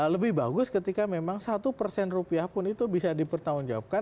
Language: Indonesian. lebih bagus ketika memang satu persen rupiah pun itu bisa dipertanggungjawabkan